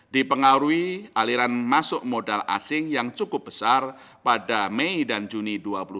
dipengaruhi aliran masuk modal asing yang cukup besar pada mei dan juni dua ribu dua puluh